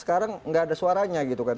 sekarang nggak ada suaranya gitu kan